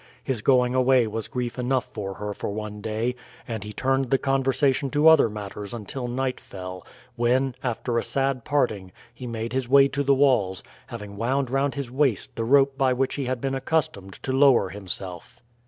His going away was grief enough for her for one day, and he turned the conversation to other matters until night fell, when, after a sad parting, he made his way to the walls, having wound round his waist the rope by which he had been accustomed to lower himself.